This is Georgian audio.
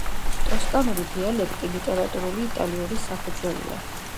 ტოსკანური დიალექტი ლიტერატურული იტალიურის საფუძველია.